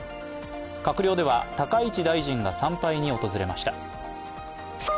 閣僚では高市大臣が参拝に訪れました。